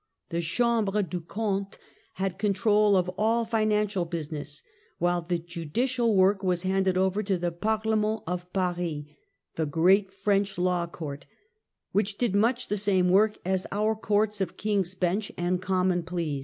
The Chamhre des Comptes had control of all financial business, while the judicial work was handed over to the Parliament of Paris, the great French law court, which did much the same work as our courts of King's Bench and Com7non Pleas.